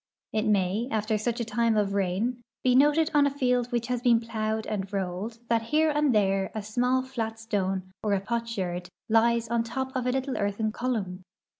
It may, after such a time of rain, he noted on a field which has been plowed and rolled that here and there a small fiat stone or a potsherd lies on top of a little earthen column.